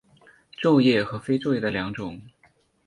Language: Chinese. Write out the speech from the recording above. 皱叶和非皱叶的两种。